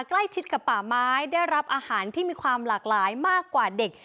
ใกล้ชิดกับป่าไม้ได้รับอาหารที่มีความหลากหลายมากกว่าเด็ก